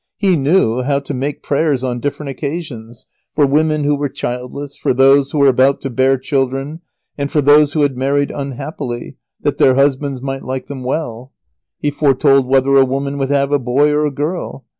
He knew how to make prayers on different occasions, for women who were childless, for those who were about to bear children, and for those who had married unhappily, that their husbands might like them well. He foretold whether a woman would have a boy or a girl.